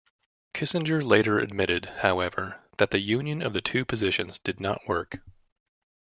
Kissinger later admitted, however, that the union of the two positions did not work.